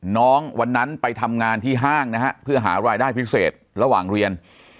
วันนั้นไปทำงานที่ห้างนะฮะเพื่อหารายได้พิเศษระหว่างเรียน